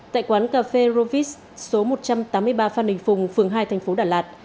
tại quán cà phê rovis số một trăm tám mươi ba phan đình phùng phường hai thành phố đà lạt